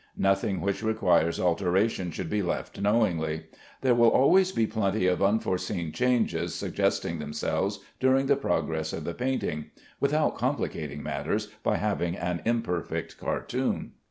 Nothing which requires alteration should be left knowingly. There will always be plenty of unforeseen changes suggesting themselves during the progress of the painting, without complicating matters by having an imperfect cartoon.